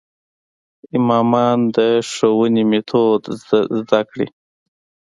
امامان د ښوونې میتود زده کړي.